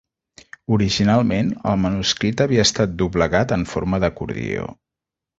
Originalment, el manuscrit havia estat doblegat en forma d'acordió.